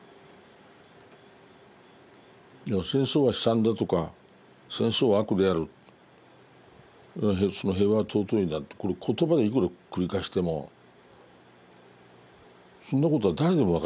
戦争は悲惨だとか戦争は悪である平和が尊いんだってこれ言葉でいくら繰り返してもそんなことは誰でも分かってることで。